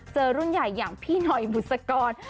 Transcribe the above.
เจอรุ่นใหญ่อย่างพี่หน่อยบุษกร